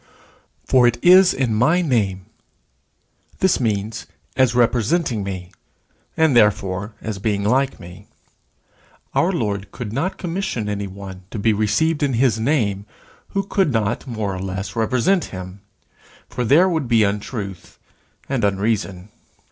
For it is In my name. This means as representing me; and, therefore, as being like me. Our Lord could not commission any one to be received in his name who could not more or less represent him; for there would be untruth and unreason.